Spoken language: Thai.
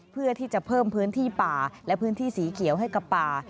เพื่อที่จะเพิ่มพื้นที่ป่าและพื้นที่สีเขียวให้กับป่า